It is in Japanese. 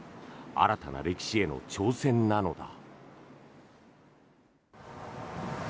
新たな歴史への挑戦なのだ。